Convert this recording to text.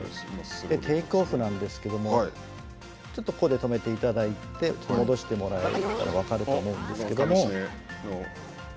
テイクオフなんですけどもちょっとここで止めていただいて戻していただいたら分かると思うんですけども。